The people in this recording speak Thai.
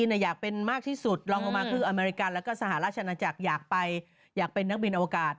นางคิดแบบว่าไม่ไหวแล้วไปกด